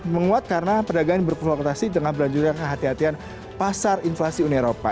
menguat karena perdagangan berkomunikasi dengan berlanjur kehatian hatian pasar inflasi uni eropa